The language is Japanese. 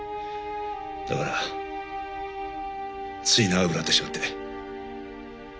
だからつい長くなってしまって。